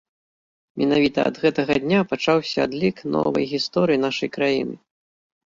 Менавіта ад гэтага дня пачаўся адлік новай гісторыі нашай краіны.